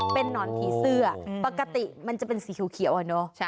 เป็นนอนผีเสื้อปกติมันจะเป็นสีเขียวอะเนาะ